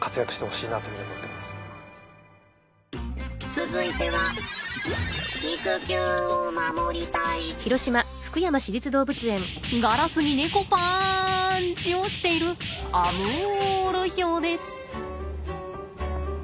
続いてはガラスにネコパンチをしているアムールヒョウです。